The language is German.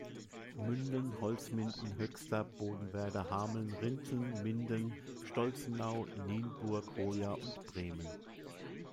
Münden, Holzminden, Höxter, Bodenwerder, Hameln, Rinteln, Minden, Stolzenau, Nienburg, Hoya und Bremen.